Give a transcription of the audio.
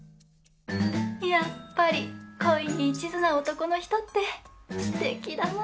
やっぱり恋に一途な男の人ってすてきだな！